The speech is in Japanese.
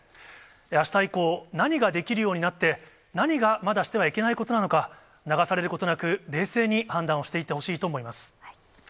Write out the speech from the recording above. あした以降、何ができるようになって、何がまだしてはいけないことなのか、流されることなく、冷静に判断をしていってほしいと思います。